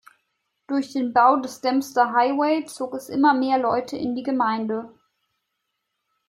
Durch den Bau des Dempster Highway zog es immer mehr Leute in die Gemeinde.